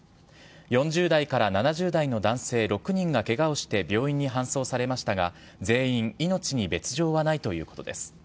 ４０代から７０代の男性６人がけがをして病院に搬送されましたが、全員命に別状はないということです。